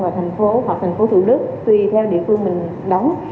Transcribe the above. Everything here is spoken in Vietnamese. và thành phố hoặc thành phố thủ đức tùy theo địa phương mình đóng